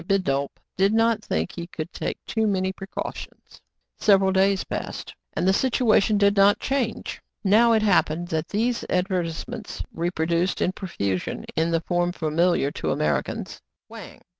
Bidulph did not think he could take too many pre cautions. KIN FO BECOMES CELEBRATED, JiW Several days passed, and the situation did not change. Now it happened that these advertise ments — reproduced in profusion in the form fa miliar to Americans (Wang